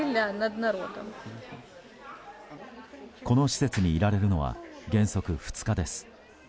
この施設にいられるのは原則２日です。